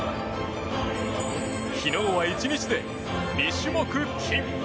昨日は１日で２種目、金！